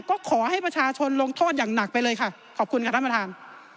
ก็ขอให้ประชาชนลงโทษอย่างหนักไปเลยค่ะขอบคุณค่ะท่านประธาน